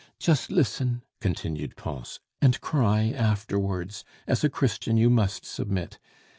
"Just listen," continued Pons, "and cry afterwards. As a Christian, you must submit.